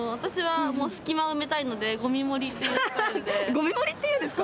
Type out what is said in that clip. ゴミ盛りっていうんですか？